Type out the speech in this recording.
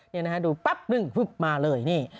นี่นะฮะดูปั๊บนึ่งมาเลยนี่